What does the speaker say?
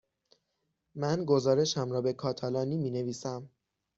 من گزارشم را به کاتالانی می نویسم.